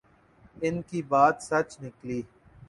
ان کی بات سچ نکلی۔